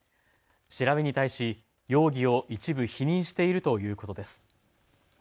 調べに対し容疑を一部、否認しているということです。